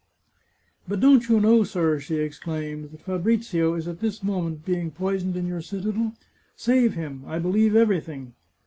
" But don't you know, sir," she exclaimed, " that Fabrizio is at this moment being poisoned in your citadel. Save him ! I believe everything